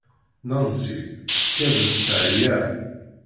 Nancy tkad-d teεya.